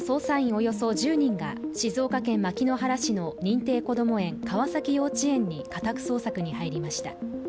およそ１０人が静岡県牧之原市の認定こども園川崎幼稚園に家宅捜索に入りました。